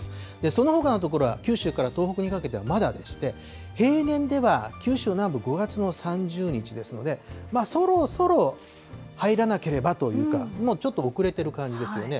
そのほかの所は、九州から東北にかけてはまだでして、平年では、九州南部、５月の３０日ですので、そろそろ入らなければというか、もうちょっと遅れてる感じですよね。